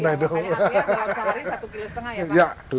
makanya harganya dalam sehari satu lima kg ya pak